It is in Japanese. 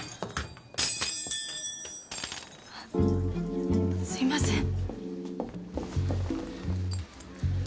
あっすいません。